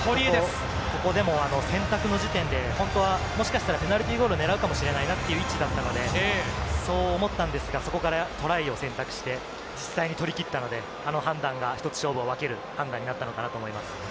ここでも選択の時点で本当はもしかしたらペナルティーゴールを狙うかもしれないなという位置だったので、そう思ったんですが、そこからトライを選択して、実際に取り切ったので、あの判断が１つ、勝負を分ける判断になったのかなと思います。